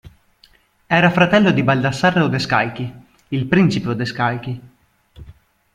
Era fratello di Baldassarre Odescalchi, I principe Odescalchi.